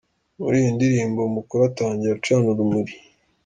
Muri iyi ndirimbo umukuru atangira acana urumuri.